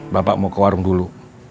bapak mau ke warung dulu